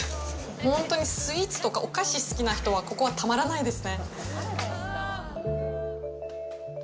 本当にスイーツとかお菓子が好きな人は、ここはたまらないですね。